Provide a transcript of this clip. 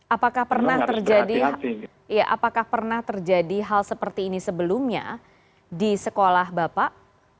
apakah pernah terjadi hal seperti ini sebelumnya di sekolah bapak